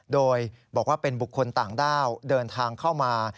โดยบอกว่าเป็นบุคคลต่างด้าวเดินทางเข้ามา